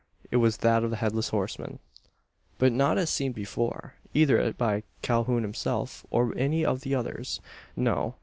It was that of the Headless Horseman. But not as seen before either by Calhoun himself, or any of the others. No.